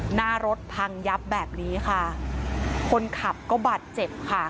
หน้ารถพังยับแบบนี้ค่ะคนขับก็บาดเจ็บค่ะ